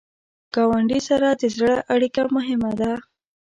ګاونډي سره د زړه اړیکه مهمه ده